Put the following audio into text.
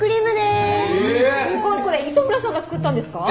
すごい！これ糸村さんが作ったんですか？